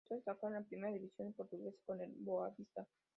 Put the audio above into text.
Comenzó a destacar en la primera división portuguesa con el Boavista.